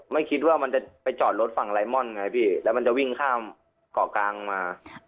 ไม่คิดว่ามันจะไปจอดรถฝั่งไลมอนดไงพี่แล้วมันจะวิ่งข้ามเกาะกลางมา